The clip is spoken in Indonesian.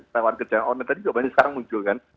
tawaran kerja online tadi juga banyak yang sekarang muncul kan